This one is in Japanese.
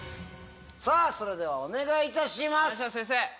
さぁそれではお願いいたします。